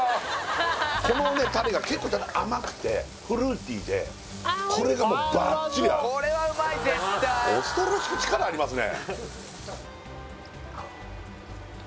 このねたれが結構甘くてフルーティーでこれがもうバッチリ合う恐ろしく力ありますね